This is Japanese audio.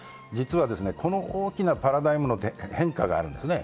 この大きなパラダイムの変化があるんですね。